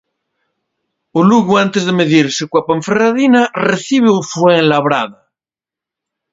O Lugo antes de medirse coa Ponferradina recibe o Fuenlabrada.